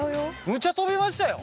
むっちゃ飛びましたよ